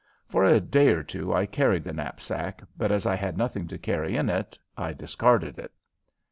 For a day or two I carried the knapsack, but as I had nothing to carry in it I discarded it.